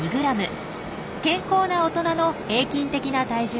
健康な大人の平均的な体重です。